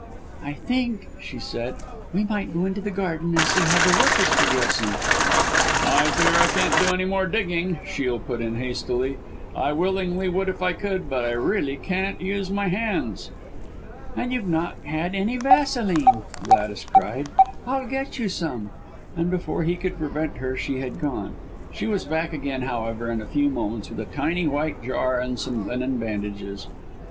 "I think," she said, "we might go into the garden and see how the work is progressing." "I fear I can't do any more digging," Shiel put in hastily, "I willingly would if I could, but I really can't use my hands." "And you've not had any vaseline," Gladys cried. "I'll get you some," and before he could prevent her she had gone. She was back again, however, in a few moments with a tiny white jar and some linen bandages.